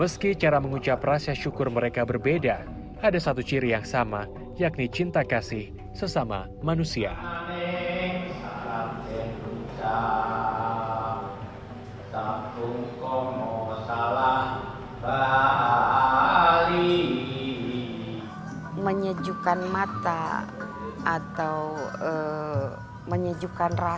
sampai jumpa di video selanjutnya